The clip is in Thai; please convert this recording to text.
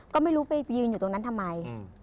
ก็ไม่รู้ไปยืนอยู่ตรงนั้นทำไม